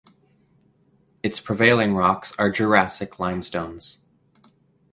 Its prevailing rocks are Jurassic limestones.